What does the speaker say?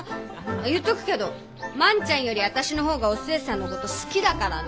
言っとくけど万ちゃんより私の方がお寿恵さんのこと好きだからね。